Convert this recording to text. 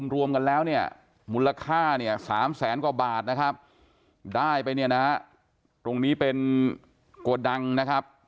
รวมกันแล้วเนี่ยมูลค่าเนี่ย๓แสนกว่าบาทนะครับได้ไปเนี่ยนะตรงนี้เป็นโกดังนะครับ